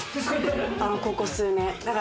ここ数年。